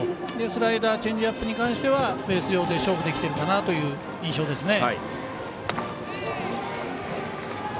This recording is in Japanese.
スライダーやチェンジアップに関してはベース上で勝負できてるかなという印象ですね。